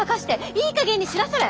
いいかげんにしなされ！